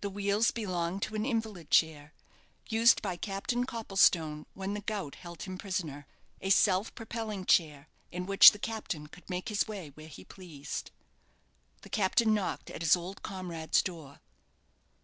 The wheels belonged to an invalid chair, used by Captain Copplestone when the gout held him prisoner, a self propelling chair, in which the captain could make his way where he pleased. The captain knocked at his old comrade's door.